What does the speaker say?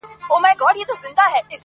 لري دوه تفسیرونه ستا د دزلفو ولونه ولونه,